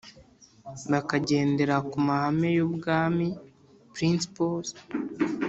bakagendera ku mahame y ubwami Principles